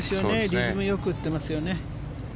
リズムよく打ってますよね。